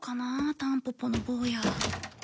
タンポポの坊や